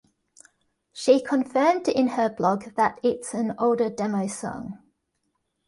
She confirmed in her blog that it's an older demo song.